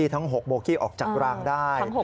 ทั้ง๖โบกี้ออกจากรางได้